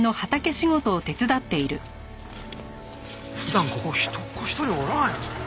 普段ここ人っ子一人おらんやろ。